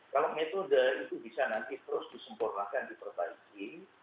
kalau metode itu bisa nanti terus disempurnakan di pertaiki